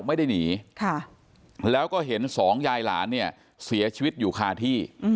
ไม่ได้หนีแล้วก็เห็นสองยายหลานเนี่ยเสียชีวิตอยู่คาที่